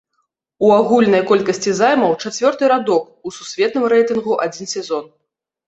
У агульнай колькасці займаў чацвёрты радок у сусветным рэйтынгу адзін сезон.